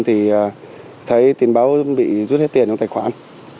thì thấy tin báo bị rút hết tiền trong tài khoản